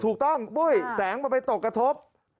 ถูกต้องแสงมาไปตกกระทบ